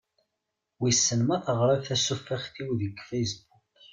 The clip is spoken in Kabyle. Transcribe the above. Wissen ma teɣriḍ tasufeɣt-inu deg Facebook.